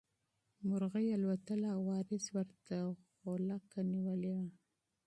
مرغۍ الوتله او وارث ورته غولکه نیولې وه.